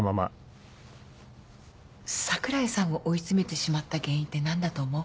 櫻井さんを追い詰めてしまった原因って何だと思う？